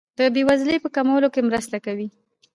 د بیوزلۍ په کمولو کې مرسته کوي.